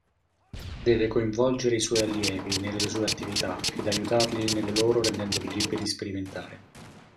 Deve coinvolgere i suoi allievi nelle sue attività ed aiutarli nelle loro rendendoli liberi di sperimentare.